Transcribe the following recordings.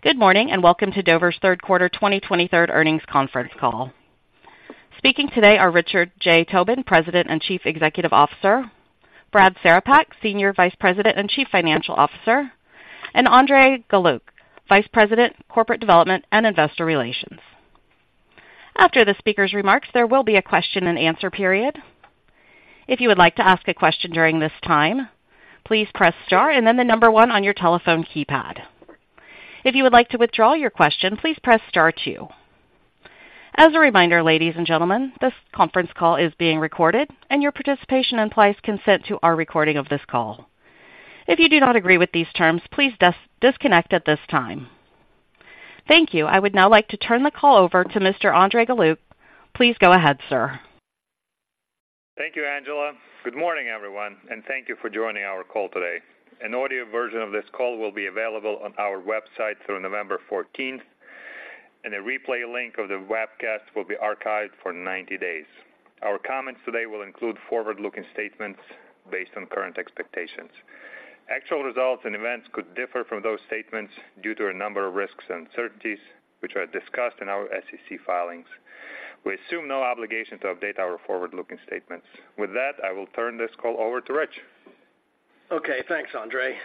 Good morning, and welcome to Dover's third quarter 2023 earnings conference call. Speaking today are Richard J. Tobin, President and Chief Executive Officer. Brad Cerepak, Senior Vice President and Chief Financial Officer, and Andrey Galiuk, Vice President, Corporate Development and Investor Relations. After the speakers' remarks, there will be a question-and-answer period. If you would like to ask a question during this time, please press star and then the number one on your telephone keypad. If you would like to withdraw your question, please press star two. As a reminder, ladies and gentlemen, this conference call is being recorded, and your participation implies consent to our recording of this call. If you do not agree with these terms, please disconnect at this time. Thank you. I would now like to turn the call over to Mr. Andrey Galiuk. Please go ahead, sir. Thank you, Angela. Good morning, everyone, and thank you for joining our call today. An audio version of this call will be available on our website through November fourteenth, and a replay link of the webcast will be archived for 90 days. Our comments today will include forward-looking statements based on current expectations. Actual results and events could differ from those statements due to a number of risks and uncertainties, which are discussed in our SEC filings. We assume no obligation to update our forward-looking statements. With that, I will turn this call over to Rich. Okay, thanks, Andrey.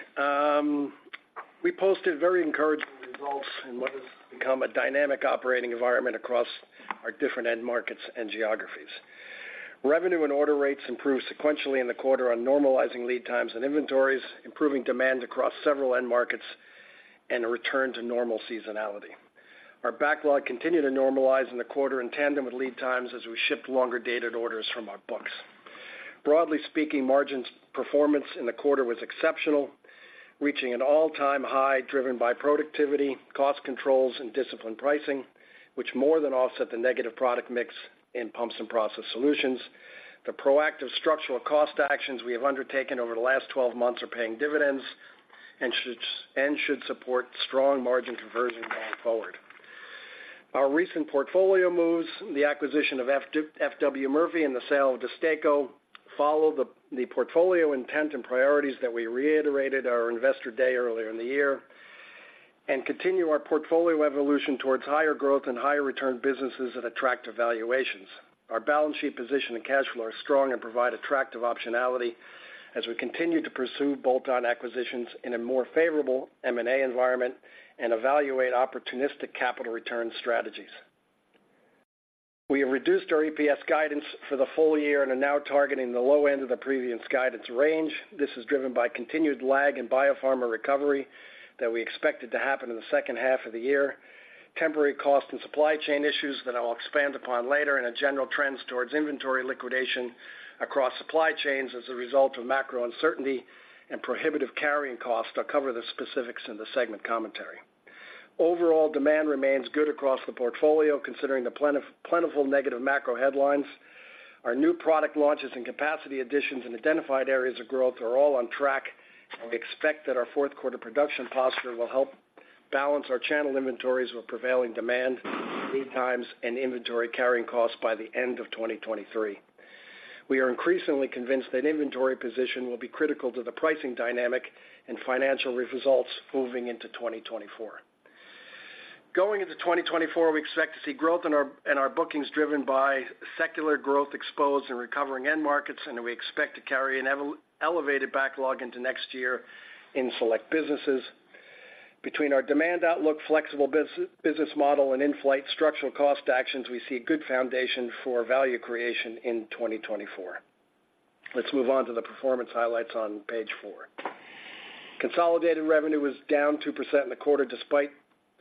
We posted very encouraging results in what has become a dynamic operating environment across our different end markets and geographies. Revenue and order rates improved sequentially in the quarter on normalizing lead times and inventories, improving demand across several end markets, and a return to normal seasonality. Our backlog continued to normalize in the quarter in tandem with lead times as we shipped longer-dated orders from our books. Broadly speaking, margins performance in the quarter was exceptional, reaching an all-time high, driven by productivity, cost controls, and disciplined pricing, which more than offset the negative product mix in Pumps and Process Solutions. The proactive structural cost actions we have undertaken over the last 12 months are paying dividends and should support strong margin conversion going forward. Our recent portfolio moves, the acquisition of FW Murphy and the sale of De-Sta-Co follow the portfolio intent and priorities that we reiterated our Investor Day earlier in the year and continue our portfolio evolution towards higher growth and higher return businesses at attractive valuations. Our balance sheet position and cash flow are strong and provide attractive optionality as we continue to pursue bolt-on acquisitions in a more favorable M&A environment and evaluate opportunistic capital return strategies. We have reduced our EPS guidance for the full year and are now targeting the low end of the previous guidance range. This is driven by continued lag in biopharma recovery that we expected to happen in the second half of the year, temporary cost and supply chain issues that I'll expand upon later, and a general trend towards inventory liquidation across supply chains as a result of macro uncertainty and prohibitive carrying costs. I'll cover the specifics in the segment commentary. Overall, demand remains good across the portfolio, considering the plentiful negative macro headlines. Our new product launches and capacity additions in identified areas of growth are all on track, and we expect that our fourth-quarter production posture will help balance our channel inventories with prevailing demand, lead times, and inventory carrying costs by the end of 2023. We are increasingly convinced that inventory position will be critical to the pricing dynamic and financial results moving into 2024. Going into 2024, we expect to see growth in our bookings driven by secular growth exposed in recovering end markets, and we expect to carry an elevated backlog into next year in select businesses. Between our demand outlook, flexible business model, and in-flight structural cost actions, we see a good foundation for value creation in 2024. Let's move on to the performance highlights on page four. Consolidated revenue was down 2% in the quarter, despite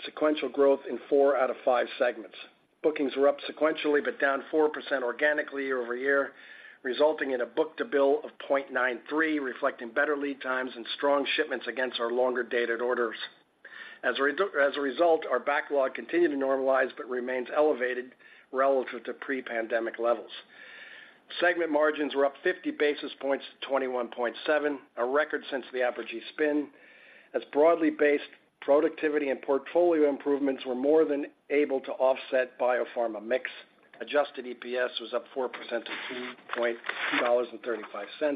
sequential growth in four out of five segments. Bookings were up sequentially, but down 4% organically year-over-year, resulting in a book-to-bill of 0.93, reflecting better lead times and strong shipments against our longer-dated orders. As a result, our backlog continued to normalize but remains elevated relative to pre-pandemic levels. Segment margins were up 50 basis points to 21.7, a record since the Apergy spin. As broadly based, productivity and portfolio improvements were more than able to offset biopharma mix. Adjusted EPS was up 4% to $2.35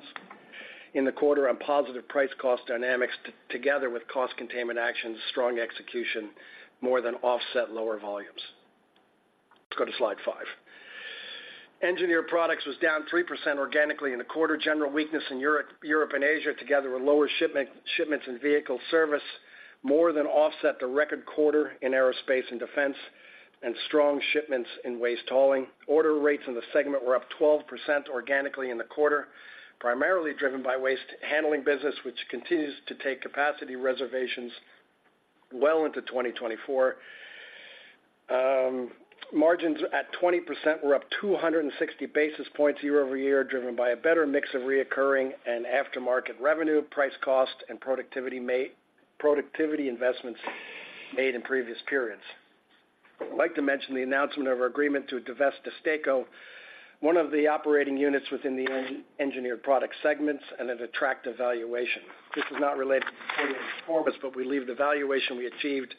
in the quarter on positive price/cost dynamics, together with cost containment actions, strong execution, more than offset lower volumes. Let's go to slide five. Engineered Products was down 3% organically in the quarter. General weakness in Europe, Europe and Asia, together with lower shipments and vehicle service, more than offset the record quarter in aerospace and defense and strong shipments in waste hauling. Order rates in the segment were up 12% organically in the quarter, primarily driven by waste handling business, which continues to take capacity reservations well into 2024. Margins at 20% were up 260 basis points year-over-year, driven by a better mix of recurring and aftermarket revenue, price cost, and productivity investments made in previous periods. I'd like to mention the announcement of our agreement to divest De-Sta-Co, one of the operating units within the engineered products segment and an attractive valuation. This is not related to performance, but believe the valuation we achieved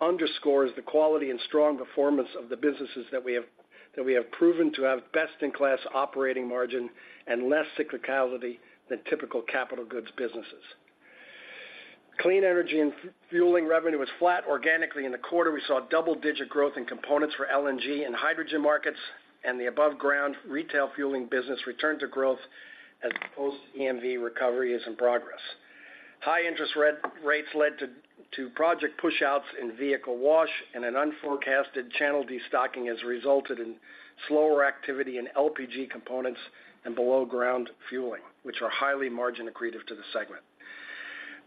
underscores the quality and strong performance of the businesses that we have proven to have best-in-class operating margin and less cyclicality than typical capital goods businesses. Clean Energy and Fueling revenue was flat organically. In the quarter, we saw double-digit growth in components for LNG and hydrogen markets, and the above-ground retail fueling business returned to growth as post-EMV recovery is in progress. High interest rates led to project pushouts in vehicle wash, and an unforecasted channel destocking has resulted in slower activity in LPG components and below-ground fueling, which are highly margin accretive to the segment.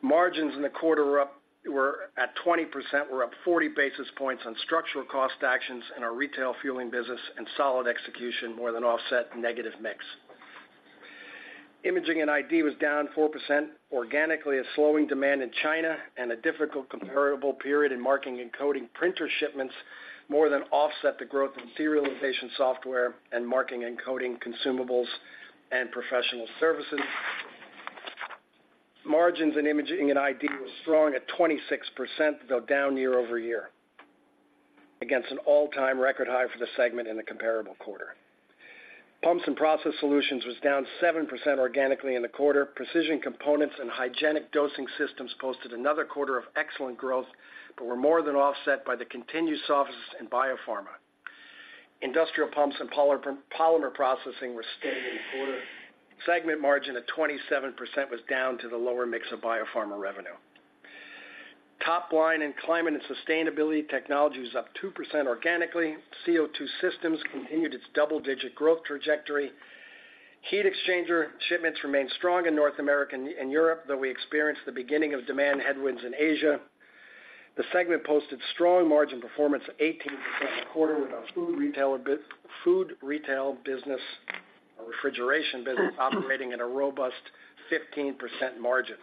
Margins in the quarter were up, were at 20%, were up 40 basis points on structural cost actions in our retail fueling business, and solid execution more than offset negative mix. Imaging & ID was down 4% organically, as slowing demand in China and a difficult comparable period in marking and coding printer shipments more than offset the growth in serialization software and marking and coding consumables and professional services. Margins in Imaging & ID was strong at 26%, though down year-over-year, against an all-time record high for the segment in the comparable quarter. Pumps & Process Solutions was down 7% organically in the quarter. Precision components and hygienic dosing systems posted another quarter of excellent growth, but were more than offset by the continued softness in biopharma. Industrial pumps and polymer processing were steady in the quarter. Segment margin of 27% was down to the lower mix of biopharma revenue. Top line in Climate & Sustainability Technologies was up 2% organically. CO2 Systems continued its double-digit growth trajectory. Heat exchanger shipments remained strong in North America and Europe, though we experienced the beginning of demand headwinds in Asia. The segment posted strong margin performance of 18% in the quarter, with our food retail business or refrigeration business operating at a robust 15% margin.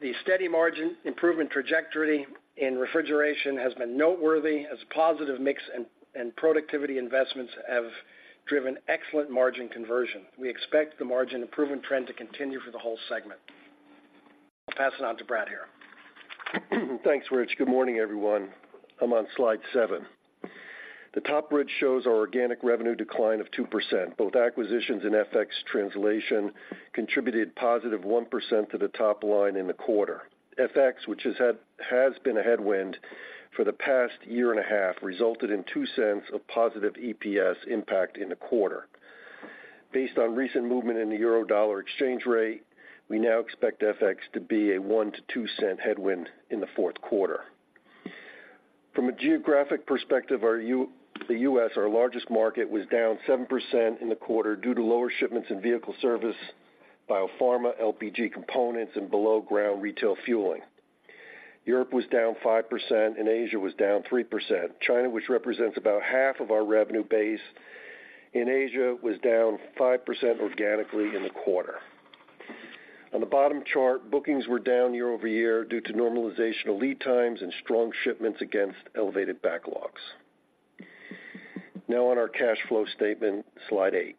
The steady margin improvement trajectory in refrigeration has been noteworthy, as positive mix and productivity investments have driven excellent margin conversion. We expect the margin improvement trend to continue for the whole segment. I'll pass it on to Brad here. Thanks, Rich. Good morning, everyone. I'm on slide seven. The top bridge shows our organic revenue decline of 2%. Both acquisitions and FX translation contributed +1% to the top line in the quarter. FX, which has had-- has been a headwind for the past year and a half, resulted in $0.02 of positive EPS impact in the quarter. Based on recent movement in the euro-dollar exchange rate, we now expect FX to be a $0.01-$0.02 headwind in the fourth quarter. From a geographic perspective, our the U.S., our largest market, was down 7% in the quarter due to lower shipments in vehicle service, biopharma, LPG components, and below-ground retail fueling. Europe was down 5%, and Asia was down 3%. China, which represents about half of our revenue base in Asia, was down 5% organically in the quarter. On the bottom chart, bookings were down year-over-year due to normalization of lead times and strong shipments against elevated backlogs. Now on our cash flow statement, slide eight.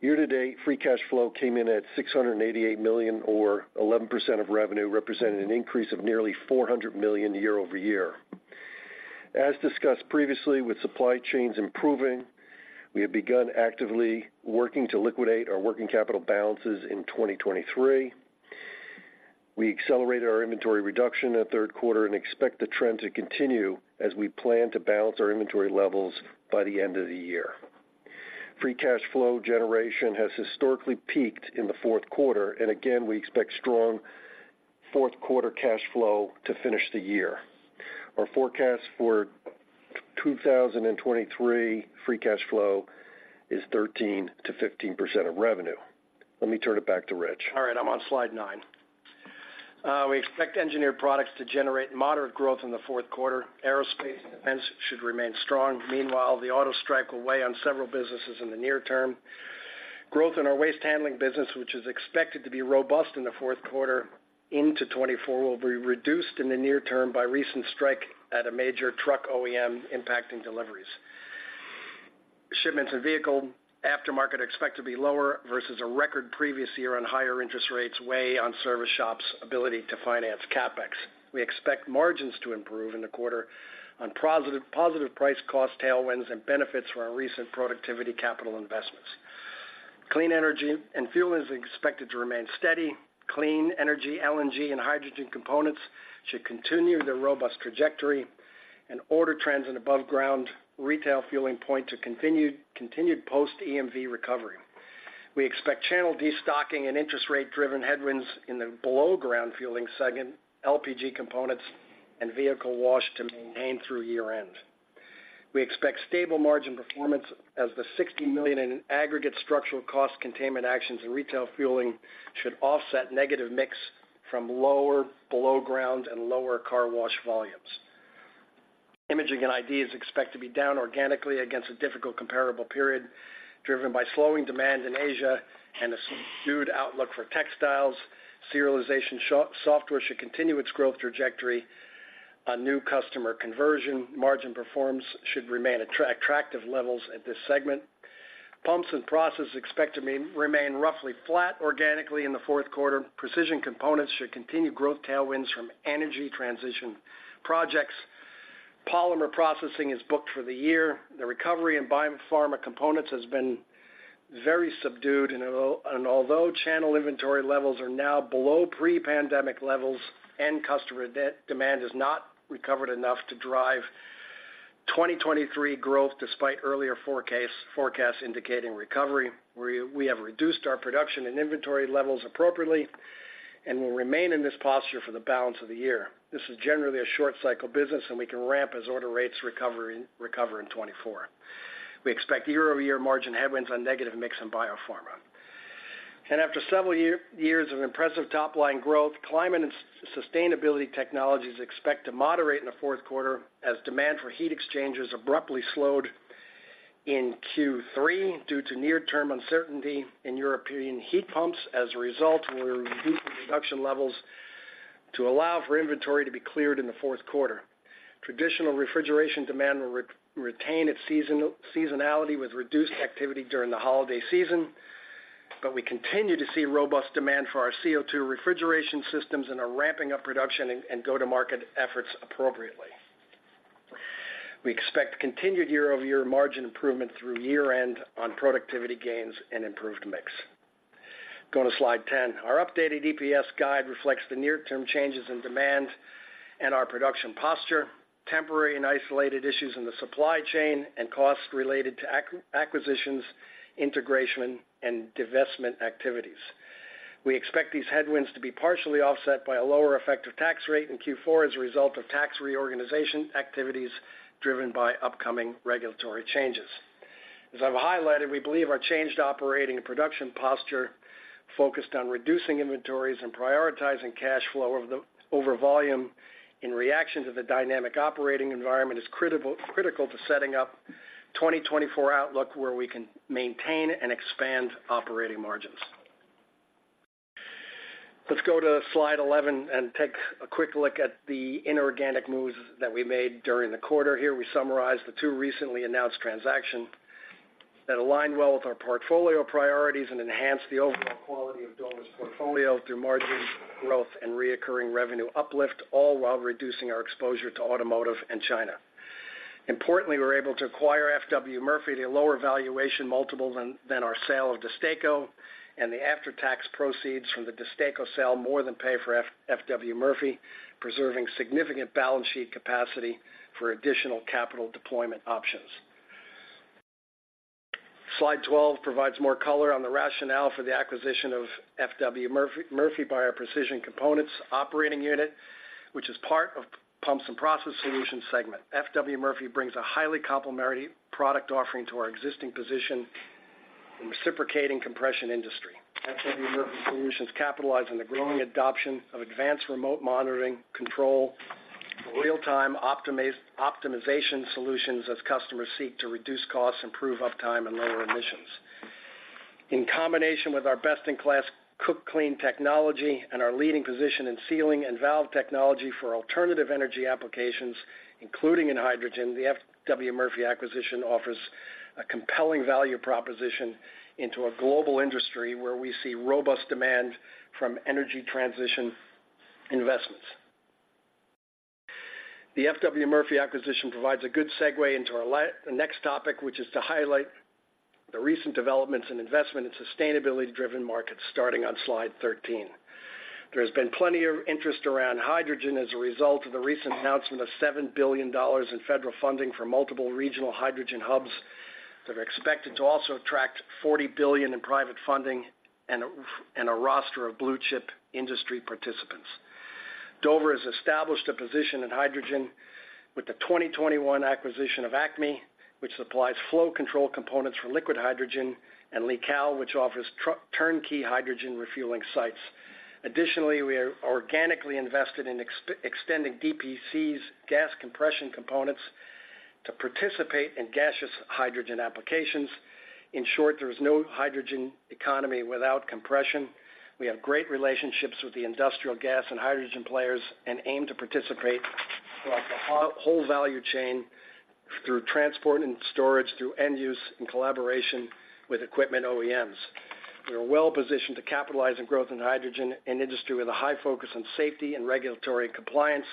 Year-to-date, free cash flow came in at $688 million, or 11% of revenue, representing an increase of nearly $400 million year-over-year. As discussed previously, with supply chains improving, we have begun actively working to liquidate our working capital balances in 2023. We accelerated our inventory reduction in the third quarter and expect the trend to continue as we plan to balance our inventory levels by the end of the year. Free cash flow generation has historically peaked in the fourth quarter, and again, we expect strong fourth quarter cash flow to finish the year. Our forecast for 2023 free cash flow is 13%-15% of revenue. Let me turn it back to Rich. All right, I'm on slide nine. We expect Engineered Products to generate moderate growth in the fourth quarter. Aerospace and defense should remain strong. Meanwhile, the auto strike will weigh on several businesses in the near term. Growth in our waste handling business, which is expected to be robust in the fourth quarter into 2024, will be reduced in the near term by recent strike at a major truck OEM, impacting deliveries. Shipments in vehicle aftermarket are expected to be lower versus a record previous year on higher interest rates weigh on service shops' ability to finance CapEx. We expect margins to improve in the quarter on positive, positive price cost tailwinds and benefits from our recent productivity capital investments. Clean Energy & Fueling is expected to remain steady. Clean energy, LNG, and hydrogen components should continue their robust trajectory, and order trends in above-ground retail fueling point to continued post-EMV recovery. We expect channel destocking and interest rate-driven headwinds in the below-ground fueling segment, LPG components, and vehicle wash to maintain through year-end. We expect stable margin performance, as the $60 million in aggregate structural cost containment actions in retail fueling should offset negative mix from lower below ground and lower car wash volumes. Imaging & ID is expected to be down organically against a difficult comparable period, driven by slowing demand in Asia and a subdued outlook for textiles. Serialization software should continue its growth trajectory on new customer conversion. Margin performance should remain at attractive levels at this segment. Pumps and Processes expect to remain roughly flat organically in the fourth quarter. Precision Components should continue growth tailwinds from energy transition projects. Polymer Processing is booked for the year. The recovery in biopharma components has been very subdued, and although channel inventory levels are now below pre-pandemic levels, end customer demand has not recovered enough to drive 2023 growth despite earlier forecasts indicating recovery. We have reduced our production and inventory levels appropriately and will remain in this posture for the balance of the year. This is generally a short cycle business, and we can ramp as order rates recover in 2024. We expect year-over-year margin headwinds on negative mix in biopharma. After several years of impressive top-line growth, Climate and Sustainability Technologies expect to moderate in the fourth quarter as demand for heat exchangers abruptly slowed in Q3 due to near-term uncertainty in European heat pumps. As a result, we're reducing production levels to allow for inventory to be cleared in the fourth quarter. Traditional refrigeration demand will retain its seasonality with reduced activity during the holiday season, but we continue to see robust demand for our CO2 refrigeration systems and are ramping up production and go-to-market efforts appropriately. We expect continued year-over-year margin improvement through year-end on productivity gains and improved mix. Go to slide 10. Our updated EPS guide reflects the near-term changes in demand and our production posture, temporary and isolated issues in the supply chain, and costs related to acquisitions, integration, and divestment activities. We expect these headwinds to be partially offset by a lower effective tax rate in Q4 as a result of tax reorganization activities driven by upcoming regulatory changes. As I've highlighted, we believe our changed operating and production posture, focused on reducing inventories and prioritizing cash flow over volume in reaction to the dynamic operating environment, is critical, critical to setting up 2024 outlook, where we can maintain and expand operating margins. Let's go to slide 11 and take a quick look at the inorganic moves that we made during the quarter. Here, we summarize the two recently announced transactions that align well with our portfolio priorities and enhance the overall quality of Dover's portfolio through margin growth and reoccurring revenue uplift, all while reducing our exposure to automotive and China. Importantly, we were able to acquire FW Murphy at a lower valuation multiple than our sale of De-Sta-Co, and the after-tax proceeds from the De-Sta-Co sale more than pay for FW Murphy, preserving significant balance sheet capacity for additional capital deployment options. Slide 12 provides more color on the rationale for the acquisition of FW Murphy by our Precision Components operating unit, which is part of Pumps & Process Solutions segment. FW Murphy brings a highly complementary product offering to our existing position in reciprocating compression industry. FW Murphy solutions capitalize on the growing adoption of advanced remote monitoring, control, and real-time optimization solutions as customers seek to reduce costs, improve uptime, and lower emissions. In combination with our best-in-class Cook Compression technology and our leading position in sealing and valve technology for alternative energy applications, including in hydrogen, the FW Murphy acquisition offers a compelling value proposition into a global industry where we see robust demand from energy transition investments. The FW Murphy acquisition provides a good segue into our next topic, which is to highlight the recent developments in investment and sustainability-driven markets, starting on slide 13. There has been plenty of interest around hydrogen as a result of the recent announcement of $7 billion in federal funding for multiple regional hydrogen hubs that are expected to also attract $40 billion in private funding and a roster of blue-chip industry participants. Dover has established a position in hydrogen with the 2021 acquisition of ACME, which supplies flow control components for liquid hydrogen, and LIQAL, which offers turnkey hydrogen refueling sites. Additionally, we are organically invested in extending DPC's gas compression components to participate in gaseous hydrogen applications. In short, there is no hydrogen economy without compression. We have great relationships with the industrial gas and hydrogen players and aim to participate across the whole value chain, through transport and storage, through end use in collaboration with equipment OEMs. We are well positioned to capitalize on growth in hydrogen, an industry with a high focus on safety and regulatory compliance,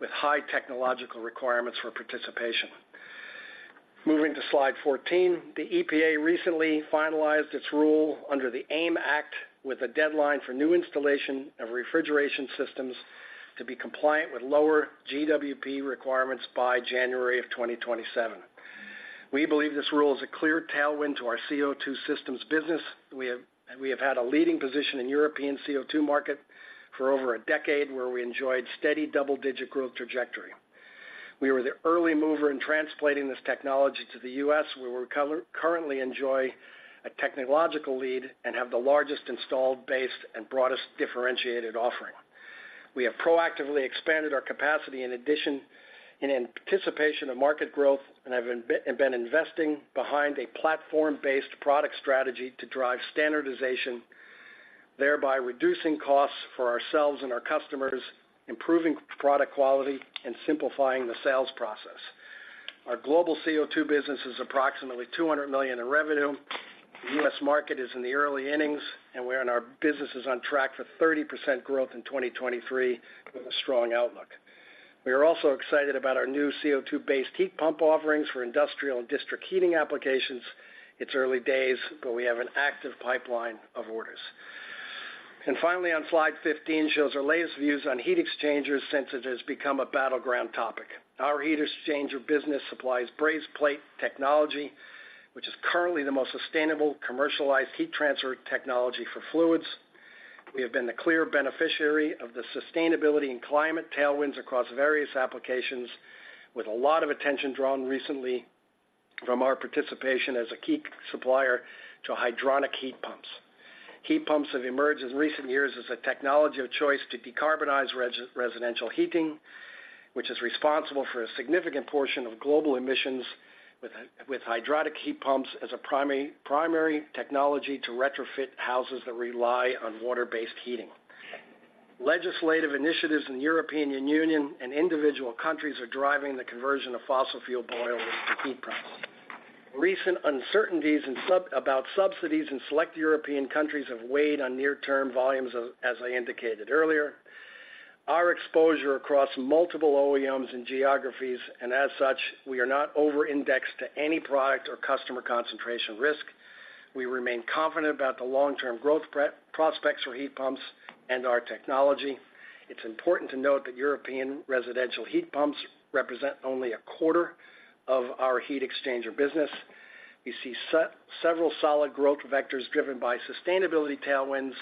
with high technological requirements for participation. Moving to slide 14. The EPA recently finalized its rule under the AIM Act, with a deadline for new installation of refrigeration systems to be compliant with lower GWP requirements by January 2027. We believe this rule is a clear tailwind to our CO2 systems business. We have had a leading position in the European CO2 market for over a decade, where we enjoyed steady double-digit growth trajectory. We were the early mover in translating this technology to the U.S., where we currently enjoy a technological lead and have the largest installed base and broadest differentiated offering. We have proactively expanded our capacity in addition, in anticipation of market growth and have been investing behind a platform-based product strategy to drive standardization, thereby reducing costs for ourselves and our customers, improving product quality, and simplifying the sales process. Our global CO2 business is approximately $200 million in revenue. The U.S. market is in the early innings, and our business is on track for 30% growth in 2023, with a strong outlook. We are also excited about our new CO2-based heat pump offerings for industrial and district heating applications. It's early days, but we have an active pipeline of orders. And finally, on slide 15, shows our latest views on heat exchangers since it has become a battleground topic. Our heat exchanger business supplies brazed plate technology, which is currently the most sustainable commercialized heat transfer technology for fluids. We have been the clear beneficiary of the sustainability and climate tailwinds across various applications, with a lot of attention drawn recently from our participation as a key supplier to hydronic heat pumps. Heat pumps have emerged in recent years as a technology of choice to decarbonize residential heating, which is responsible for a significant portion of global emissions, with hydronic heat pumps as a primary technology to retrofit houses that rely on water-based heating. Legislative initiatives in the European Union and individual countries are driving the conversion of fossil fuel boilers to heat pumps. Recent uncertainties about subsidies in select European countries have weighed on near-term volumes, as I indicated earlier. Our exposure across multiple OEMs and geographies, and as such, we are not over-indexed to any product or customer concentration risk. We remain confident about the long-term growth prospects for heat pumps and our technology. It's important to note that European residential heat pumps represent only a quarter of our heat exchanger business. We see several solid growth vectors driven by sustainability tailwinds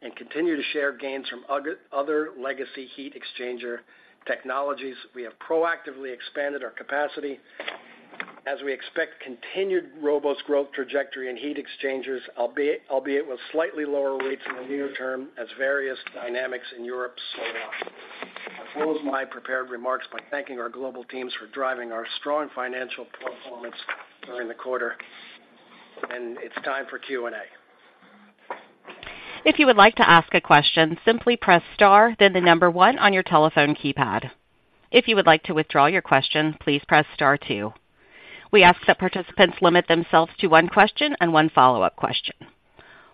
and continue to share gains from other legacy heat exchanger technologies. We have proactively expanded our capacity as we expect continued robust growth trajectory in heat exchangers, albeit with slightly lower rates in the near term as various dynamics in Europe slow down. I close my prepared remarks by thanking our global teams for driving our strong financial performance during the quarter, and it's time for Q&A. If you would like to ask a question, simply press star, then the number one on your telephone keypad. If you would like to withdraw your question, please press star two. We ask that participants limit themselves to one question and one follow-up question.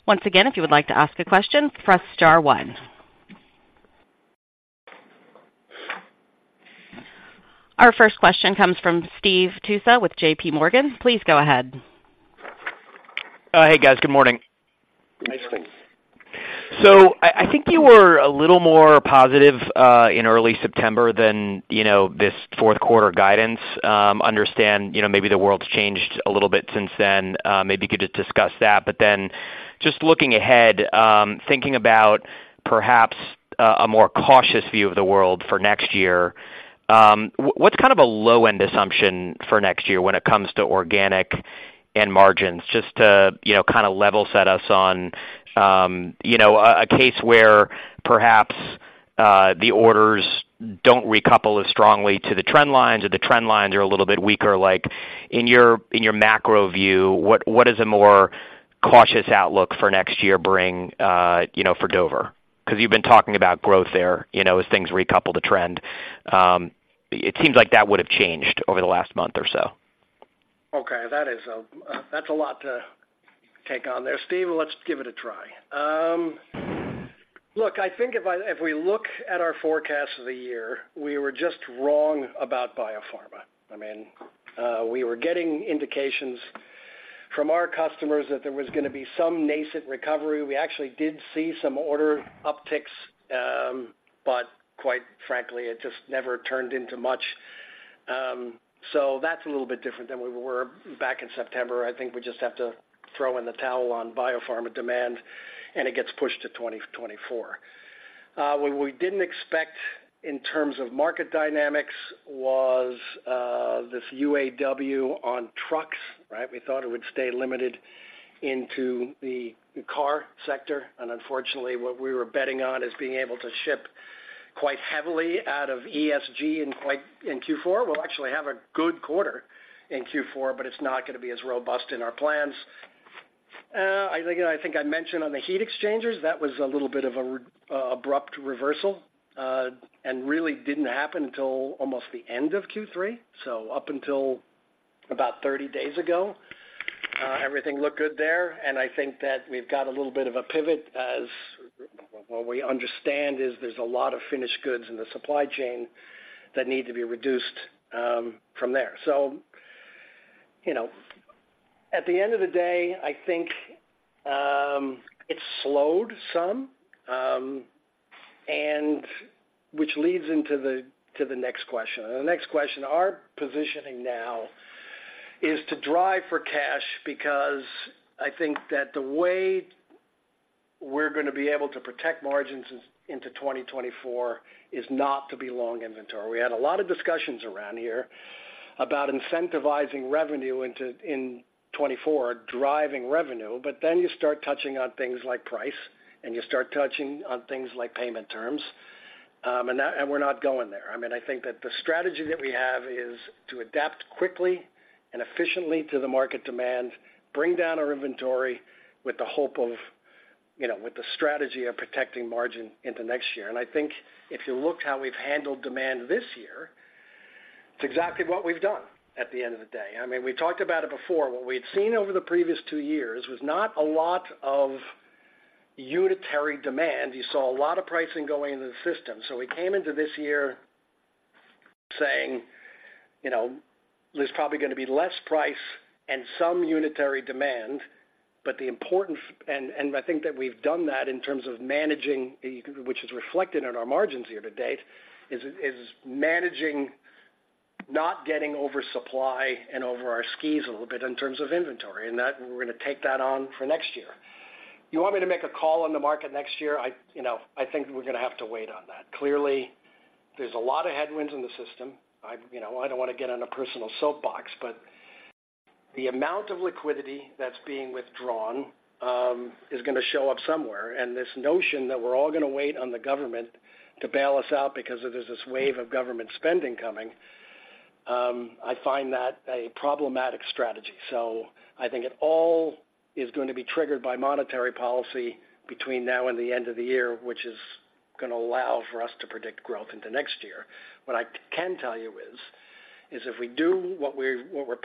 Once again, if you would like to ask a question, press star one. Our first question comes from Steve Tusa with JPMorgan. Please go ahead. Hey, guys. Good morning. Good morning. I think you were a little more positive in early September than, you know, this fourth quarter guidance. Understand, you know, maybe the world's changed a little bit since then. Maybe you could just discuss that. Just looking ahead, thinking about perhaps a more cautious view of the world for next year, what's kind of a low-end assumption for next year when it comes to organic and margins? Just to, you know, kind of level set us on, you know, a case where perhaps the orders don't recouple as strongly to the trend lines, or the trend lines are a little bit weaker. Like, in your macro view, what does a more cautious outlook for next year bring, you know, for Dover? Because you've been talking about growth there, you know, as things recouple the trend. It seems like that would have changed over the last month or so. Okay, that's a lot to take on there, Steve. Let's give it a try. Look, I think if we look at our forecast of the year, we were just wrong about biopharma. I mean, we were getting indications from our customers that there was going to be some nascent recovery. We actually did see some order upticks, but quite frankly, it just never turned into much. So that's a little bit different than we were back in September. I think we just have to throw in the towel on biopharma demand, and it gets pushed to 2024. What we didn't expect in terms of market dynamics was this UAW on trucks, right? We thought it would stay limited into the car sector, and unfortunately, what we were betting on is being able to ship quite heavily out of ESG in Q4. We'll actually have a good quarter in Q4, but it's not going to be as robust in our plans. I think I mentioned on the heat exchangers, that was a little bit of a abrupt reversal, and really didn't happen until almost the end of Q3. So up until about 30 days ago, everything looked good there, and I think that we've got a little bit of a pivot as. What we understand is there's a lot of finished goods in the supply chain that need to be reduced, from there. So, you know, at the end of the day, I think, it slowed some, and which leads into the, to the next question. And the next question, our positioning now is to drive for cash because I think that the way we're going to be able to protect margins into 2024 is not to be long inventory. We had a lot of discussions around here about incentivizing revenue into-- in 2024, driving revenue, but then you start touching on things like price, and you start touching on things like payment terms. And that, and we're not going there. I mean, I think that the strategy that we have is to adapt quickly and efficiently to the market demand, bring down our inventory with the hope of, you know, with the strategy of protecting margin into next year. I think if you looked how we've handled demand this year, it's exactly what we've done at the end of the day. I mean, we talked about it before. What we'd seen over the previous two years was not a lot of unitary demand. You saw a lot of pricing going into the system. We came into this year saying, you know, there's probably gonna be less price and some unitary demand, but the important, and I think that we've done that in terms of managing, which is reflected in our margins year to date, is managing, not getting over supply and over our skis a little bit in terms of inventory, and that we're gonna take that on for next year. You want me to make a call on the market next year? You know, I think we're gonna have to wait on that. Clearly, there's a lot of headwinds in the system. I, you know, I don't want to get on a personal soapbox, but the amount of liquidity that's being withdrawn, is gonna show up somewhere. And this notion that we're all gonna wait on the government to bail us out because there's this wave of government spending coming, I find that a problematic strategy. So I think it all is going to be triggered by monetary policy between now and the end of the year, which is gonna allow for us to predict growth into next year. What I can tell you is, if we do what we're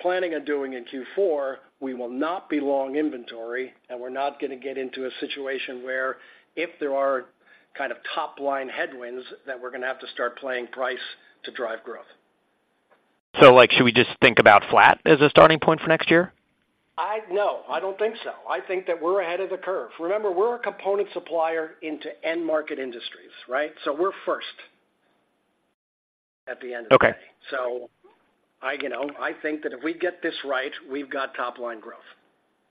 planning on doing in Q4, we will not be long inventory, and we're not gonna get into a situation where if there are kind of top-line headwinds, that we're gonna have to start playing price to drive growth. Like, should we just think about flat as a starting point for next year? No, I don't think so. I think that we're ahead of the curve. Remember, we're a component supplier into end-market industries, right? So we're first at the end of the day. Okay. I, you know, I think that if we get this right, we've got top-line growth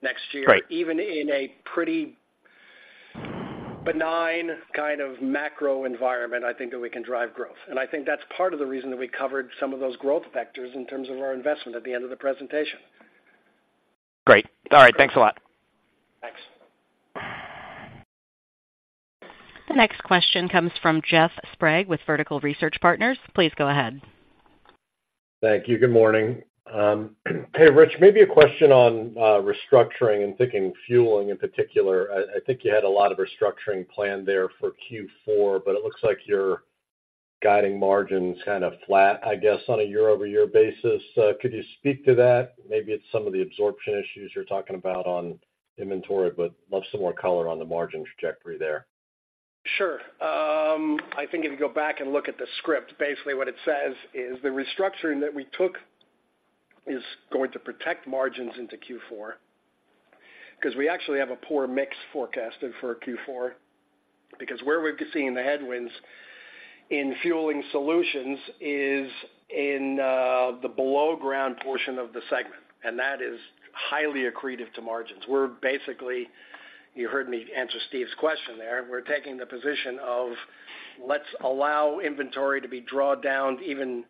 next year. Right. Even in a pretty benign kind of macro environment, I think that we can drive growth. I think that's part of the reason that we covered some of those growth vectors in terms of our investment at the end of the presentation. Great. All right. Thanks a lot. Thanks. The next question comes from Jeff Sprague with Vertical Research Partners. Please go ahead. Thank you. Good morning. Hey, Rich, maybe a question on restructuring and thinking fueling in particular. I think you had a lot of restructuring planned there for Q4, but it looks like your guiding margin's kind of flat, I guess, on a year-over-year basis. Could you speak to that? Maybe it's some of the absorption issues you're talking about on inventory, but I love some more color on the margin trajectory there. Sure. I think if you go back and look at the script, basically what it says is the restructuring that we took is going to protect margins into Q4 because we actually have a poor mix forecasted for Q4, because where we've seen the headwinds in fueling solutions is in, the below-ground portion of the segment, and that is highly accretive to margins. We're basically, you heard me answer Steve's question there, we're taking the position of let's allow inventory to be drawn down, even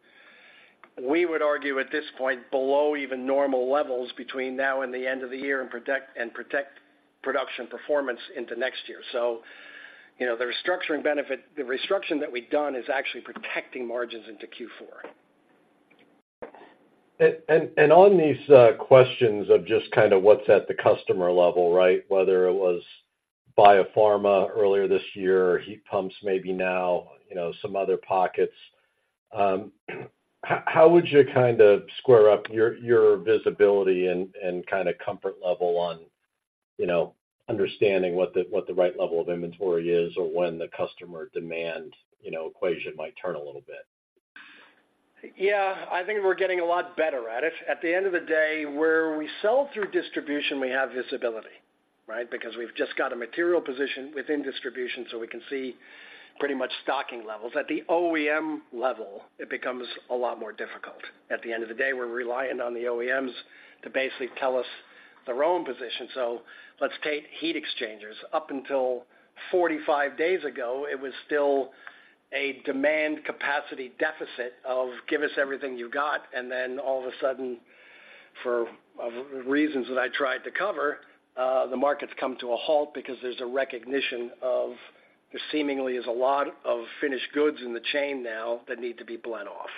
we would argue at this point, below even normal levels between now and the end of the year, and protect, and protect production performance into next year. So you know, the restructuring benefit, the restructuring that we've done is actually protecting margins into Q4. on these questions of just kind of what's at the customer level, right? Whether it was biopharma earlier this year, heat pumps maybe now, you know, some other pockets, how would you kind of square up your visibility and kind of comfort level on, you know, understanding what the right level of inventory is or when the customer demand, you know, equation might turn a little bit? Yeah, I think we're getting a lot better at it. At the end of the day, where we sell through distribution, we have visibility, right? Because we've just got a material position within distribution, so we can see pretty much stocking levels. At the OEM level, it becomes a lot more difficult. At the end of the day, we're reliant on the OEMs to basically tell us their own position. So let's take heat exchangers. Up until 45 days ago, it was still a demand capacity deficit of: Give us everything you've got, and then all of a sudden, for reasons that I tried to cover, the market's come to a halt because there's a recognition of there seemingly is a lot of finished goods in the chain now that need to be blend off.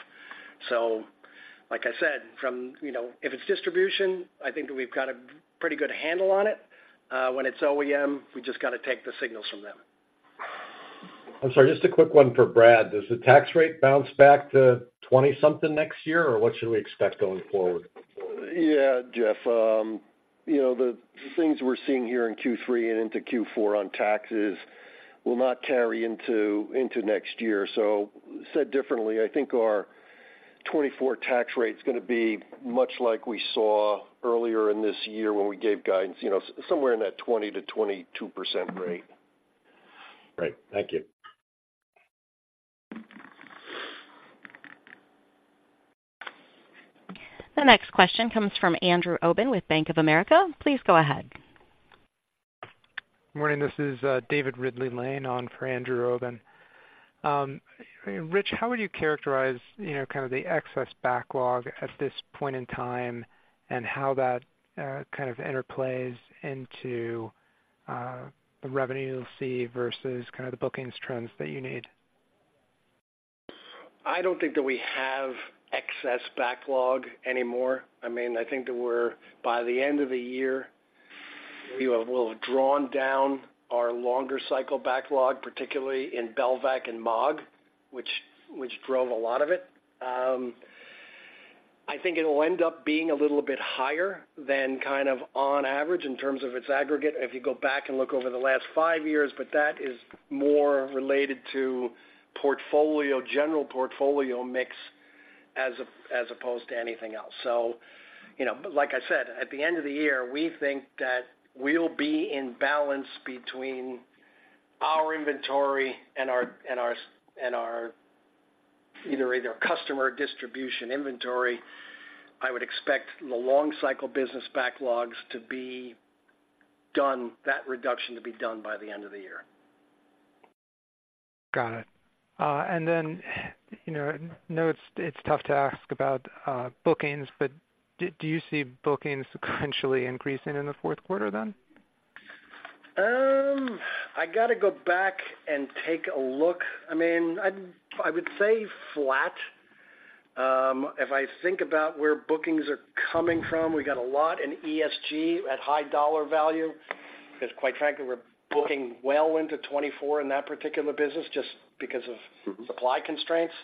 So like I said, from, you know, if it's distribution, I think that we've got a pretty good handle on it. When it's OEM, we just got to take the signals from them. I'm sorry, just a quick one for Brad. Does the tax rate bounce back to 20-something next year, or what should we expect going forward? Yeah, Jeff. You know, the things we're seeing here in Q3 and into Q4 on taxes will not carry into next year. So said differently, I think our 2024 tax rate is gonna be much like we saw earlier in this year when we gave guidance, you know, somewhere in that 20%-22% rate. Great. Thank you. The next question comes from Andrew Obin with Bank of America. Please go ahead. Morning, this is David Ridley-Lane on for Andrew Obin. Rich, how would you characterize, you know, kind of the excess backlog at this point in time, and how that kind of interplays into the revenue you'll see versus kind of the bookings trends that you need? I don't think that we have excess backlog anymore. I mean, I think that we're, by the end of the year, we will have drawn down our longer cycle backlog, particularly in Belvac and MAAG, which drove a lot of it. I think it'll end up being a little bit higher than kind of on average in terms of its aggregate, if you go back and look over the last five years, but that is more related to portfolio, general portfolio mix as opposed to anything else. So, you know, like I said, at the end of the year, we think that we'll be in balance between our inventory and our customer distribution inventory. I would expect the long cycle business backlogs to be done, that reduction to be done by the end of the year. Got it. And then, you know, I know it's tough to ask about bookings, but do you see bookings sequentially increasing in the fourth quarter then? I got to go back and take a look. I mean, I would say flat. If I think about where bookings are coming from, we got a lot in ESG at high-dollar value, because quite frankly, we're booking well into 2024 in that particular business just because of supply constraints.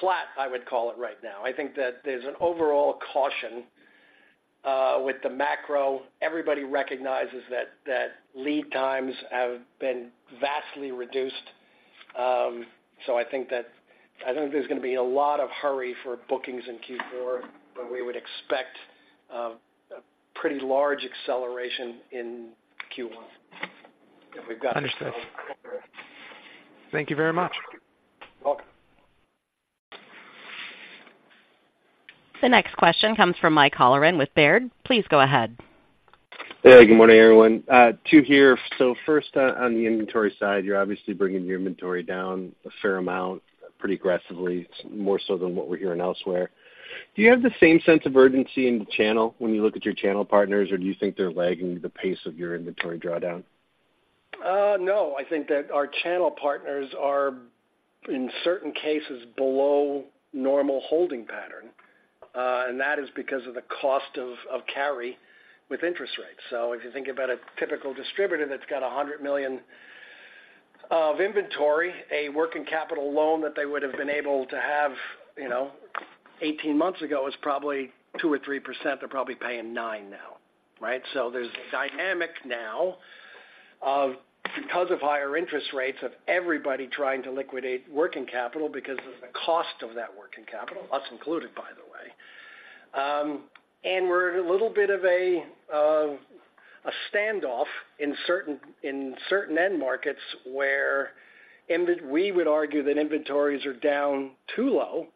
Flat, I would call it right now. I think that there's an overall caution with the macro. Everybody recognizes that lead times have been vastly reduced. So I think I don't think there's going to be a lot of hurry for bookings in Q4, but we would expect a pretty large acceleration in Q1. If we've got- Understood. Thank you very much. Welcome. The next question comes from Mike Halloran with Baird. Please go ahead. Hey, good morning, everyone. Two here. So first, on the inventory side, you're obviously bringing your inventory down a fair amount, pretty aggressively, more so than what we're hearing elsewhere. Do you have the same sense of urgency in the channel when you look at your channel partners, or do you think they're lagging the pace of your inventory drawdown? No, I think that our channel partners are, in certain cases, below normal holding pattern, and that is because of the cost of carry with interest rates. So if you think about a typical distributor that's got $100 million of inventory, a working capital loan that they would have been able to have, you know, 18 months ago, was probably 2% or 3%. They're probably paying 9% now, right? So there's a dynamic now of, because of higher interest rates, of everybody trying to liquidate working capital because of the cost of that working capital, us included, by the way. And we're in a little bit of a standoff in certain end markets where we would argue that inventories are down too low,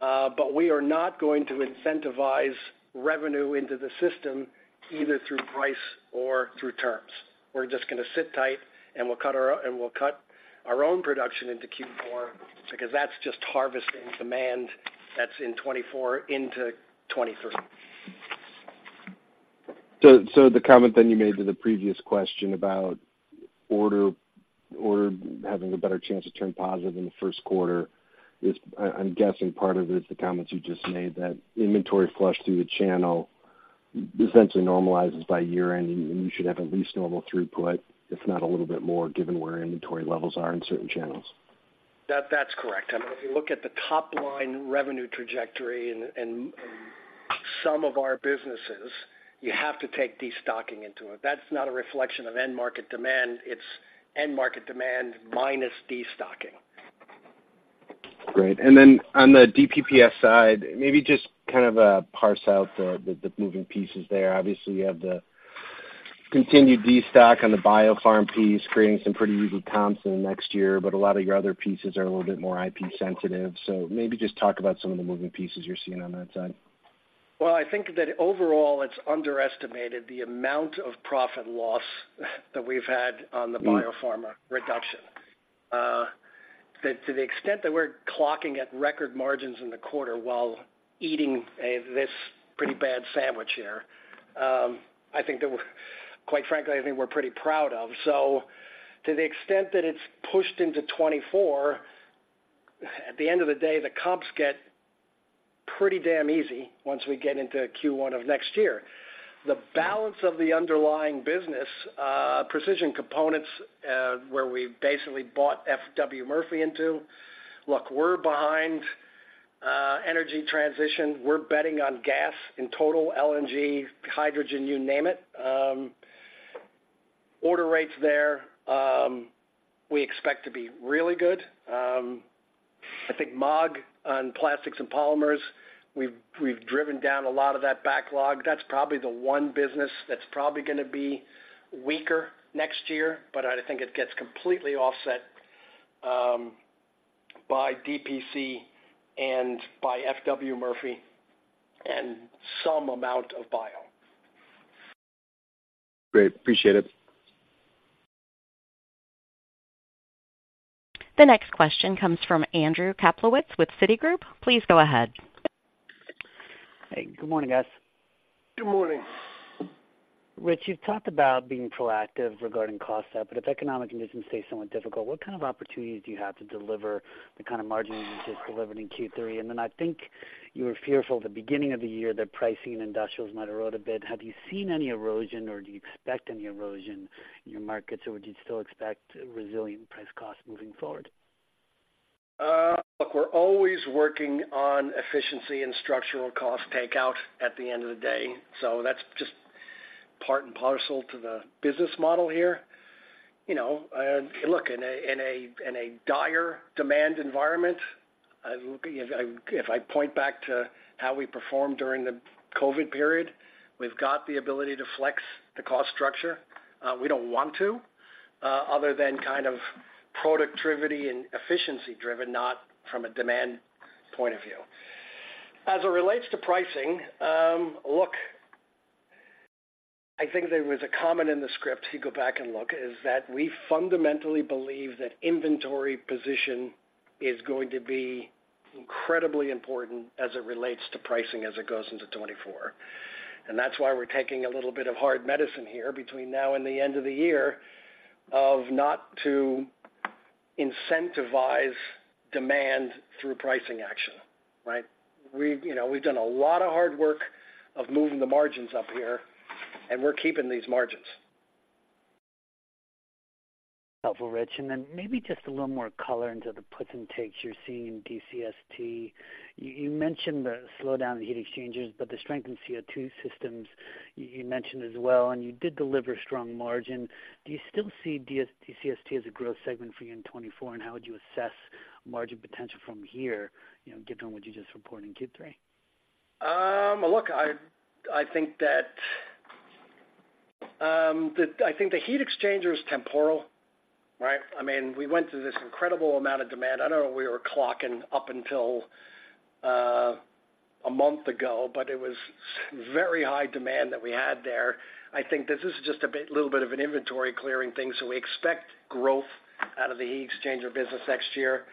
but we are not going to incentivize revenue into the system, either through price or through terms. We're just going to sit tight, and we'll cut our own production into Q4 because that's just harvesting demand that's in 2024 into 2023. So the comment then you made to the previous question about order having a better chance to turn positive in the first quarter is, I'm guessing part of it is the comments you just made, that inventory flush through the channel essentially normalizes by year-end, and you should have at least normal throughput, if not a little bit more, given where inventory levels are in certain channels. That, that's correct. I mean, if you look at the top line revenue trajectory and, and some of our businesses, you have to take destocking into it. That's not a reflection of end market demand, it's end market demand minus destocking. Great. And then on the DPPS side, maybe just kind of parse out the moving pieces there. Obviously, you have the continued destock on the biopharma piece, creating some pretty easy comps in the next year, but a lot of your other pieces are a little bit more IP sensitive. So maybe just talk about some of the moving pieces you're seeing on that side. Well, I think that overall, it's underestimated the amount of profit loss that we've had on the biopharma reduction. That to the extent that we're clocking at record margins in the quarter while eating this pretty bad sandwich here, I think that we're, quite frankly, I think we're pretty proud of. So to the extent that it's pushed into 2024, at the end of the day, the comps get pretty damn easy once we get into Q1 of next year. The balance of the underlying business, precision components, where we basically bought FW Murphy into. Look, we're behind energy transition. We're betting on gas in total, LNG, hydrogen, you name it. Order rates there, we expect to be really good. I think Maag, on plastics and polymers, we've, we've driven down a lot of that backlog. That's probably the one business that's probably going to be weaker next year, but I think it gets completely offset by DPC and by FW Murphy and some amount of bio. Great. Appreciate it. The next question comes from Andrew Kaplowitz with Citigroup. Please go ahead. Hey, good morning, guys. Good morning. Rich, you've talked about being proactive regarding cost out, but if economic conditions stay somewhat difficult, what kind of opportunities do you have to deliver the kind of margin you just delivered in Q3? And then I think you were fearful at the beginning of the year that pricing in industrials might erode a bit. Have you seen any erosion, or do you expect any erosion in your markets, or do you still expect resilient price costs moving forward? Look, we're always working on efficiency and structural cost takeout at the end of the day, so that's just part and parcel to the business model here. You know, look, in a dire demand environment, if I point back to how we performed during the COVID period, we've got the ability to flex the cost structure. We don't want to, other than kind of productivity and efficiency driven, not from a demand point of view. As it relates to pricing, look, I think there was a comment in the script, if you go back and look, is that we fundamentally believe that inventory position is going to be incredibly important as it relates to pricing as it goes into 2024. And that's why we're taking a little bit of hard medicine here between now and the end of the year of not to incentivize demand through pricing action, right? We've, you know, we've done a lot of hard work of moving the margins up here, and we're keeping these margins. Helpful, Rich. And then maybe just a little more color into the puts and takes you're seeing in DCST. You mentioned the slowdown in the heat exchangers, but the strength in CO2 systems you mentioned as well, and you did deliver strong margin. Do you still see DCST as a growth segment for you in 2024, and how would you assess margin potential from here, you know, given what you just reported in Q3? Look, I think that the heat exchanger is temporal, right? I mean, we went through this incredible amount of demand. I don't know what we were clocking up until a month ago, but it was very high demand that we had there. I think this is just a bit, little bit of an inventory clearing thing, so we expect growth out of the heat exchanger business next year.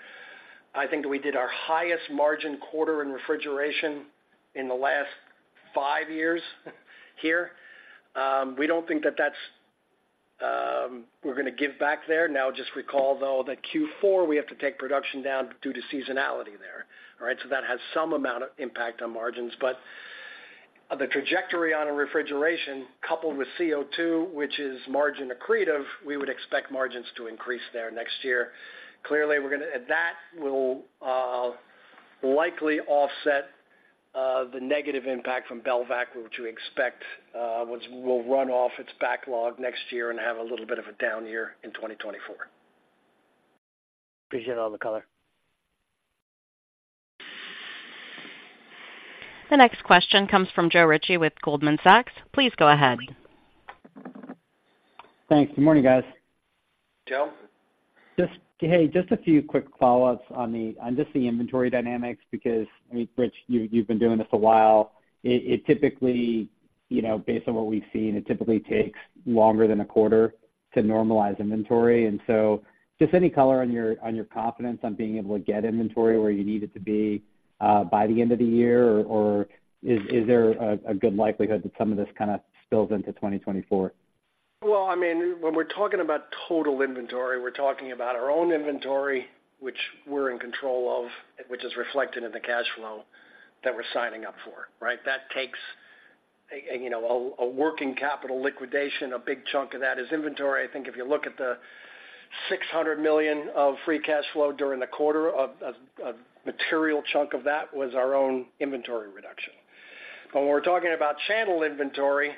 I think we did our highest margin quarter in refrigeration in the last five years here. We don't think that that's, we're gonna give back there. Now, just recall, though, that Q4, we have to take production down due to seasonality there. All right? So that has some amount of impact on margins. But the trajectory on a refrigeration coupled with CO2, which is margin accretive, we would expect margins to increase there next year. Clearly, we're gonna and that will likely offset the negative impact from Belvac, which we expect, which will run off its backlog next year and have a little bit of a down year in 2024. Appreciate all the color. The next question comes from Joe Ritchie with Goldman Sachs. Please go ahead. Thanks. Good morning, guys. Joe. Just, hey, just a few quick follow-ups on the, on just the inventory dynamics, because, I mean, Rich, you, you've been doing this a while. It typically, you know, based on what we've seen, it typically takes longer than a quarter to normalize inventory. And so just any color on your, on your confidence on being able to get inventory where you need it to be, by the end of the year, or is there a good likelihood that some of this kind of spills into 2024? Well, I mean, when we're talking about total inventory, we're talking about our own inventory, which we're in control of, which is reflected in the cash flow that we're signing up for, right? That takes a, you know, a working capital liquidation. A big chunk of that is inventory. I think if you look at the $600 million of free cash flow during the quarter, a material chunk of that was our own inventory reduction. When we're talking about channel inventory,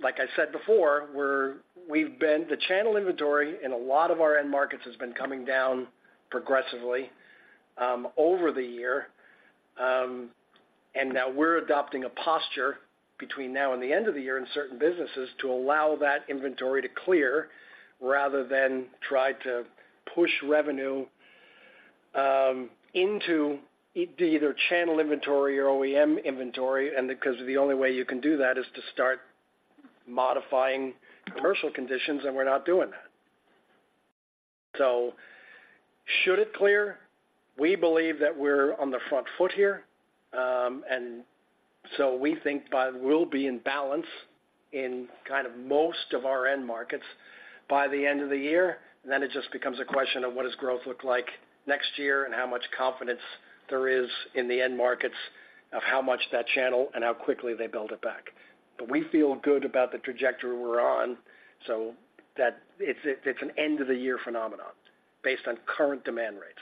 like I said before, we've been-- the channel inventory in a lot of our end markets has been coming down progressively over the year. And now we're adopting a posture between now and the end of the year in certain businesses to allow that inventory to clear, rather than try to push revenue into either channel inventory or OEM inventory, and because the only way you can do that is to start modifying commercial conditions, and we're not doing that. So should it clear, we believe that we're on the front foot here. And so we think by... We'll be in balance in kind of most of our end markets by the end of the year, and then it just becomes a question of what does growth look like next year and how much confidence there is in the end markets of how much that channel and how quickly they build it back. But we feel good about the trajectory we're on, so that it's an end-of-the-year phenomenon based on current demand rates.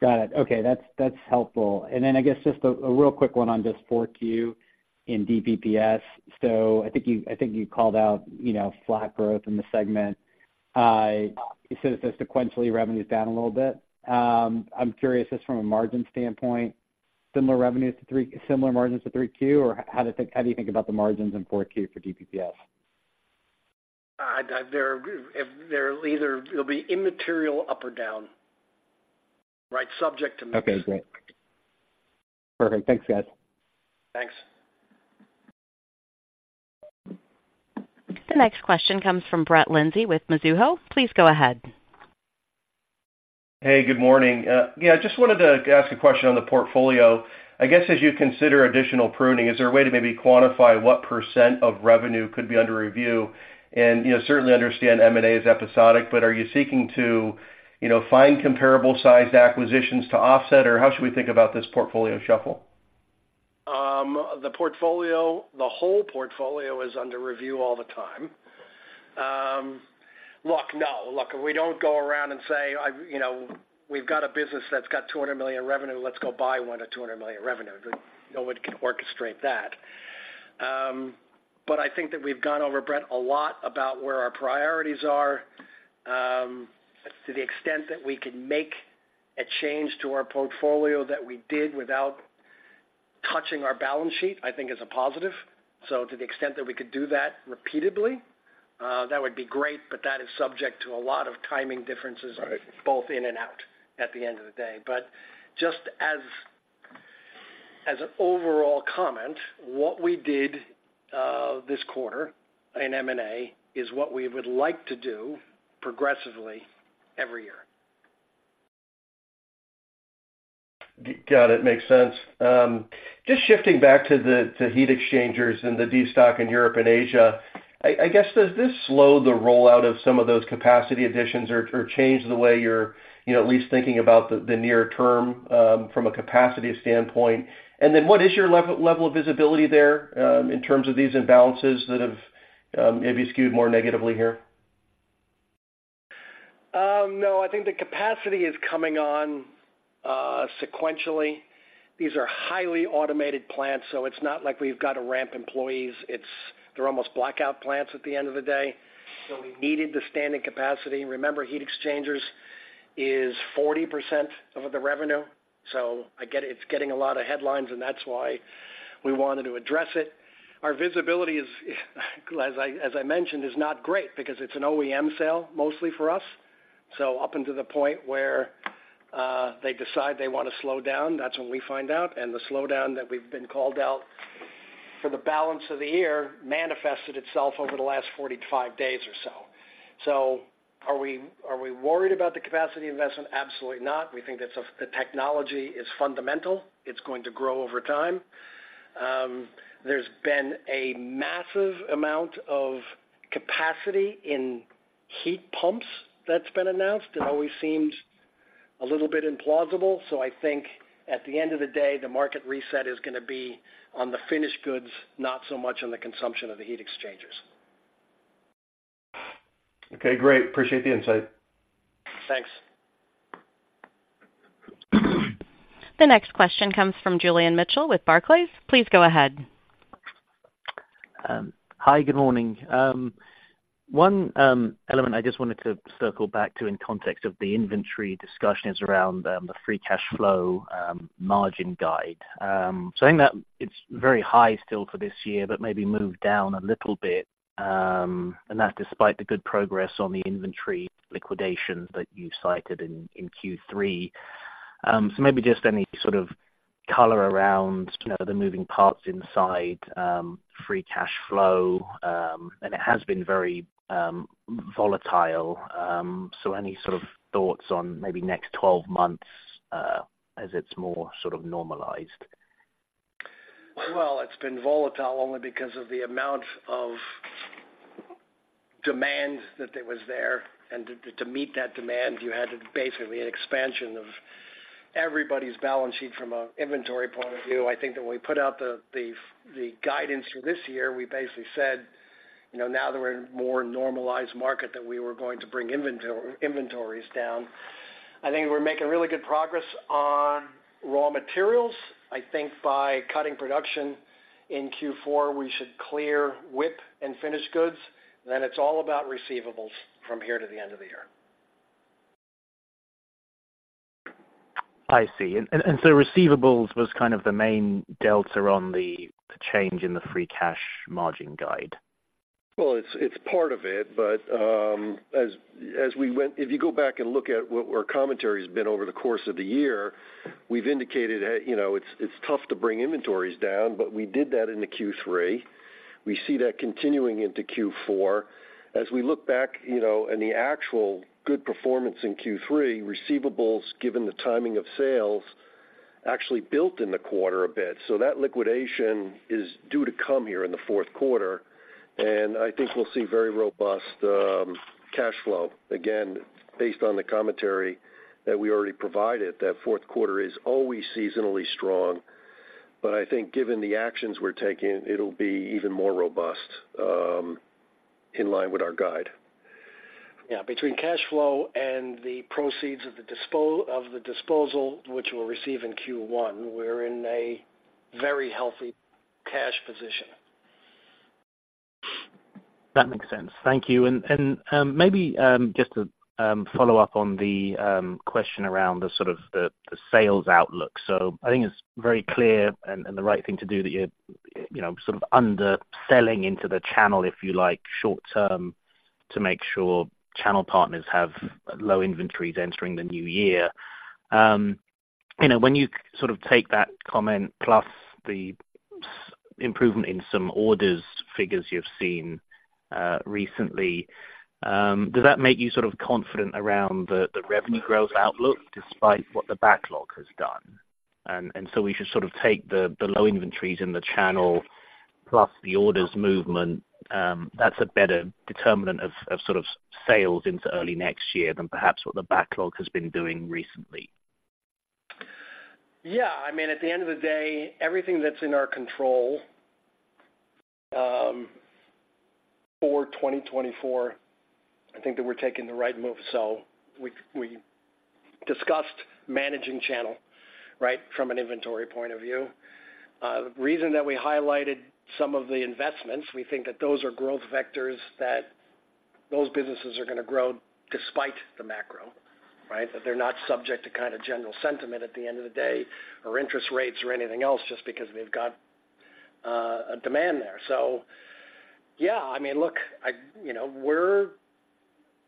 Got it. Okay, that's, that's helpful. And then I guess just a real quick one on just 4Q in DPPS. So I think you, I think you called out, you know, flat growth in the segment. You said it's sequentially revenue is down a little bit. I'm curious just from a margin standpoint, similar revenues to 3Q—similar margins to 3Q, or how to think, how do you think about the margins in 4Q for DPPS? They're, if they're either, it'll be immaterial up or down. Right, subject to mix. Okay, great. Perfect. Thanks, guys. Thanks. The next question comes from Brett Linzey with Mizuho. Please go ahead. Hey, good morning. Yeah, just wanted to ask a question on the portfolio. I guess, as you consider additional pruning, is there a way to maybe quantify what percent of revenue could be under review? And, you know, certainly understand M&A is episodic, but are you seeking to, you know, find comparable sized acquisitions to offset, or how should we think about this portfolio shuffle? The portfolio, the whole portfolio is under review all the time. Look, no. Look, we don't go around and say, I, you know, "We've got a business that's got $200 million in revenue, let's go buy one at $200 million in revenue." No one can orchestrate that. But I think that we've gone over, Brett, a lot about where our priorities are. To the extent that we can make a change to our portfolio that we did without touching our balance sheet, I think is a positive. So to the extent that we could do that repeatedly, that would be great, but that is subject to a lot of timing differences- Right. both in and out at the end of the day. But just as, as an overall comment, what we did, this quarter in M&A is what we would like to do progressively every year. Got it. Makes sense. Just shifting back to the heat exchangers and the destock in Europe and Asia, I guess, does this slow the rollout of some of those capacity additions or change the way you're, you know, at least thinking about the near term from a capacity standpoint? And then what is your level of visibility there in terms of these imbalances that have maybe skewed more negatively here? No, I think the capacity is coming on sequentially. These are highly automated plants, so it's not like we've got to ramp up employees. It's... they're almost blackout plants at the end of the day. So we needed the standing capacity. Remember, heat exchangers is 40% of the revenue, so I get it, it's getting a lot of headlines, and that's why we wanted to address it. Our visibility is, as I, as I mentioned, is not great because it's an OEM sale, mostly for us. So up until the point where they decide they want to slow down, that's when we find out. And the slowdown that we've been called out for the balance of the year manifested itself over the last 45 days or so. So are we, are we worried about the capacity investment? Absolutely not. We think that's a, the technology is fundamental. It's going to grow over time. There's been a massive amount of capacity in heat pumps that's been announced, and it always seems a little bit implausible. So I think at the end of the day, the market reset is gonna be on the finished goods, not so much on the consumption of the heat exchangers. Okay, great. Appreciate the insight. Thanks. The next question comes from Julian Mitchell with Barclays. Please go ahead. Hi, good morning. One element I just wanted to circle back to in context of the inventory discussion is around the free cash flow margin guide. So I think that it's very high still for this year, but maybe moved down a little bit, and that's despite the good progress on the inventory liquidations that you cited in Q3. So maybe just any sort of color around, you know, the moving parts inside free cash flow, and it has been very volatile. So any sort of thoughts on maybe next 12 months, as it's more sort of normalized? Well, it's been volatile only because of the amount of demand that there was there, and to meet that demand, you had basically an expansion of everybody's balance sheet from an inventory point of view. I think that when we put out the guidance for this year, we basically said, you know, now that we're in a more normalized market, that we were going to bring inventories down. I think we're making really good progress on raw materials. I think by cutting production in Q4, we should clear WIP and finished goods. Then it's all about receivables from here to the end of the year. I see. And so receivables was kind of the main delta on the change in the free cash margin guide? Well, it's part of it, but. If you go back and look at what our commentary has been over the course of the year, we've indicated that, you know, it's tough to bring inventories down, but we did that into Q3. We see that continuing into Q4. As we look back, you know, and the actual good performance in Q3, receivables, given the timing of sales, actually built in the quarter a bit. So that liquidation is due to come here in the fourth quarter, and I think we'll see very robust cash flow. Again, based on the commentary that we already provided, that fourth quarter is always seasonally strong. But I think given the actions we're taking, it'll be even more robust in line with our guide. Yeah. Between cash flow and the proceeds of the disposal, which we'll receive in Q1, we're in a very healthy cash position. That makes sense. Thank you. Maybe just to follow up on the question around the sort of the sales outlook. So I think it's very clear and the right thing to do, that you're, you know, sort of under selling into the channel, if you like, short term, to make sure channel partners have low inventories entering the new year. You know, when you sort of take that comment plus the some improvement in some orders figures you've seen recently, does that make you sort of confident around the revenue growth outlook despite what the backlog has done? So we should sort of take the low inventories in the channel plus the orders movement, that's a better determinant of sort of sales into early next year than perhaps what the backlog has been doing recently. Yeah. I mean, at the end of the day, everything that's in our control, for 2024, I think that we're taking the right move. So we, we discussed managing channel, right, from an inventory point of view. The reason that we highlighted some of the investments, we think that those are growth vectors, that those businesses are gonna grow despite the macro, right? That they're not subject to kind of general sentiment at the end of the day, or interest rates, or anything else, just because they've got, a demand there. So, yeah, I mean, look, you know, we're,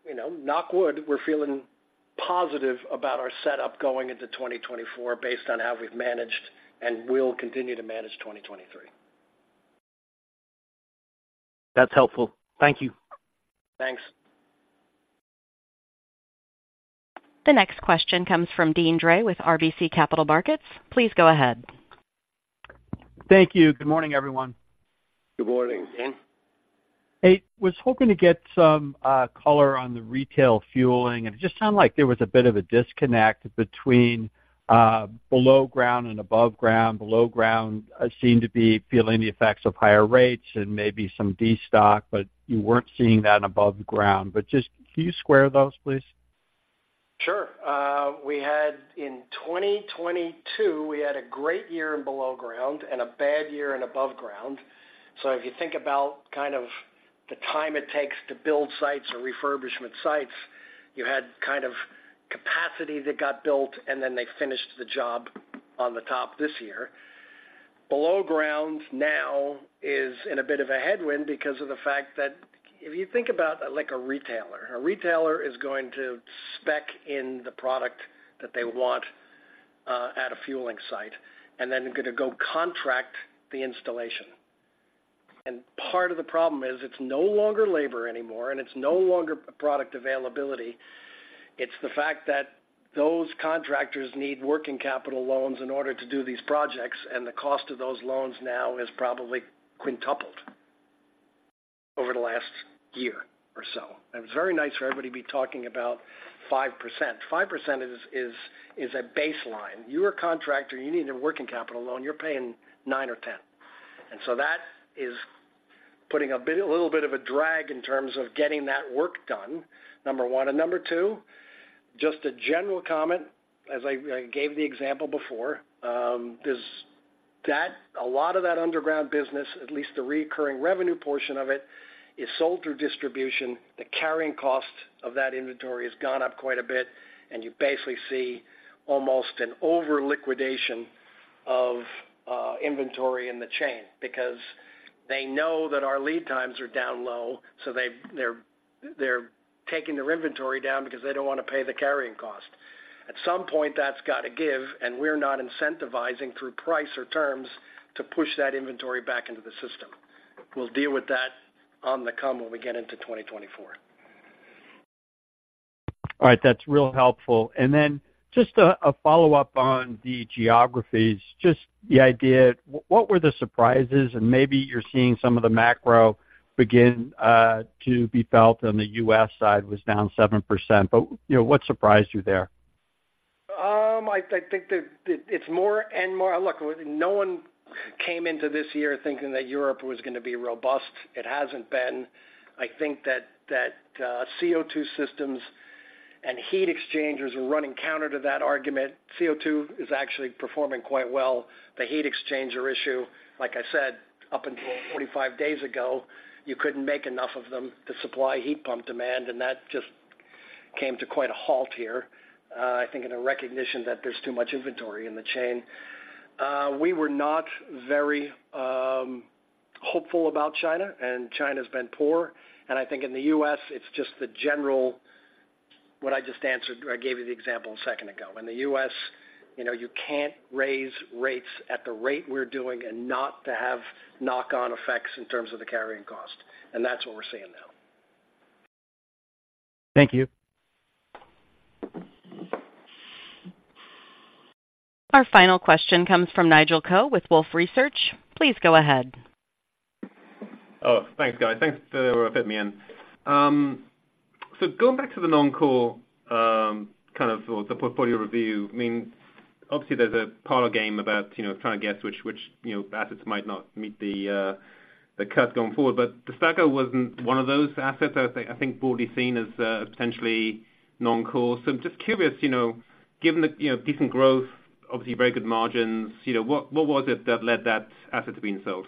you know, knock wood, we're feeling positive about our setup going into 2024 based on how we've managed and will continue to manage 2023. That's helpful. Thank you. Thanks. The next question comes from Deane Dray with RBC Capital Markets. Please go ahead. Thank you. Good morning, everyone. Good morning, Deane. I was hoping to get some color on the retail fueling, and it just sounded like there was a bit of a disconnect between below ground and above ground. Below ground seemed to be feeling the effects of higher rates and maybe some destock, but you weren't seeing that above ground. But just can you square those, please? Sure. We had in 2022, we had a great year in below ground and a bad year in above ground. So if you think about kind of the time it takes to build sites or refurbishment sites, you had kind of capacity that got built, and then they finished the job on the top this year. Below ground now is in a bit of a headwind because of the fact that if you think about like a retailer, a retailer is going to spec in the product that they want, at a fueling site, and then they're gonna go contract the installation. And part of the problem is, it's no longer labor anymore, and it's no longer product availability. It's the fact that those contractors need working capital loans in order to do these projects, and the cost of those loans now has probably quintupled over the last year or so. It was very nice for everybody to be talking about 5%. 5% is, is, is a baseline. You're a contractor, you need a working capital loan, you're paying nine or 10. And so that is putting a bit, a little bit of a drag in terms of getting that work done, number one. And number two, just a general comment, as I gave the example before, there's that, a lot of that underground business, at least the recurring revenue portion of it, is sold through distribution. The carrying cost of that inventory has gone up quite a bit, and you basically see almost an over-liquidation of inventory in the chain because they know that our lead times are down low, so they're taking their inventory down because they don't wanna pay the carrying cost. At some point, that's got to give, and we're not incentivizing through price or terms to push that inventory back into the system. We'll deal with that on the come when we get into 2024. All right. That's real helpful. And then just a follow-up on the geographies, just the idea, what were the surprises? And maybe you're seeing some of the macro begin to be felt on the U.S. side, was down 7%. But, you know, what surprised you there? I think it's more and more. Look, no one came into this year thinking that Europe was gonna be robust. It hasn't been. I think that CO2 systems and heat exchangers are running counter to that argument. CO2 is actually performing quite well. The heat exchanger issue, like I said, up until 45 days ago, you couldn't make enough of them to supply heat pump demand, and that just came to quite a halt here. I think in a recognition that there's too much inventory in the chain. We were not very hopeful about China, and China's been poor. And I think in the U.S., it's just the general. What I just answered, I gave you the example a second ago. In the U.S., you know, you can't raise rates at the rate we're doing and not to have knock-on effects in terms of the carrying cost, and that's what we're seeing now. Thank you. Our final question comes from Nigel Coe with Wolfe Research. Please go ahead. Oh, thanks, guys. Thanks for fitting me in. So going back to the non-core, kind of the portfolio review, I mean, obviously there's a parlor game about, you know, trying to guess which you know assets might not meet the cuts going forward. But De-Sta-Co wasn't one of those assets, I think broadly seen as potentially non-core. So I'm just curious, you know, given the, you know, decent growth, obviously very good margins, you know, what was it that led that asset to being sold?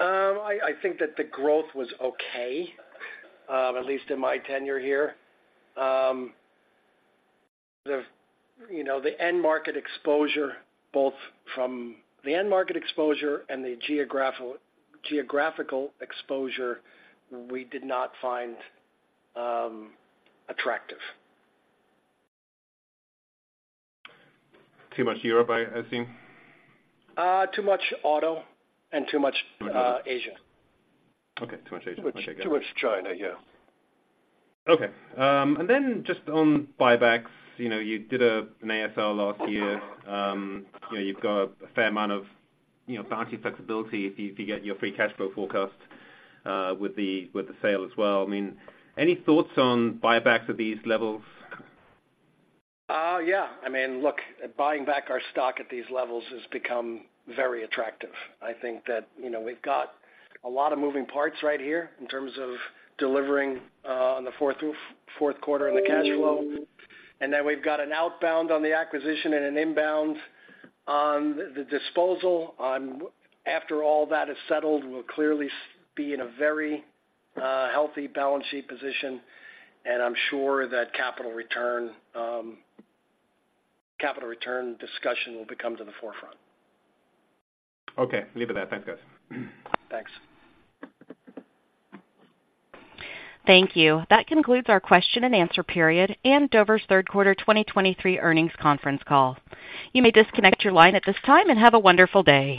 I think that the growth was okay, at least in my tenure here. You know, the end market exposure, both from the end market exposure and the geographical exposure, we did not find attractive. Too much Europe, I think? Too much auto and too much Asia. Okay. Too much Asia. Too much China, yeah. Okay. And then just on buybacks, you know, you did an ASR last year. You know, you've got a fair amount of, you know, balance sheet flexibility if you get your free cash flow forecast, with the sale as well. I mean, any thoughts on buybacks at these levels? Yeah. I mean, look, buying back our stock at these levels has become very attractive. I think that, you know, we've got a lot of moving parts right here in terms of delivering on the fourth quarter on the cash flow. And then we've got an outbound on the acquisition and an inbound on the disposal. After all that is settled, we'll clearly be in a very healthy balance sheet position, and I'm sure that capital return discussion will become to the forefront. Okay. Leave it there. Thanks, guys. Thanks. Thank you. That concludes our question and answer period and Dover's third quarter 2023 earnings conference call. You may disconnect your line at this time and have a wonderful day.